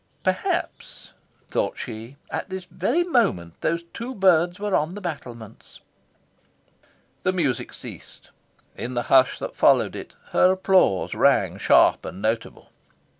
Perhaps, thought she, at this very moment these two birds were on the battlements. The music ceased. In the hush that followed it, her applause rang sharp and notable.